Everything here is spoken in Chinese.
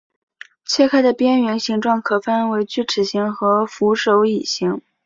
切开的边缘形状可以分为锯齿形和扶手椅形。